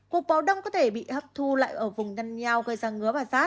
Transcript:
cục báo đông có thể bị hấp thu lại ở vùng nhăn nhao gây ra ngứa và rát